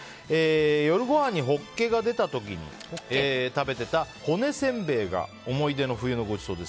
夜ごはんにホッケが出た時に食べてた骨せんべいが思い出の冬のごちそうです。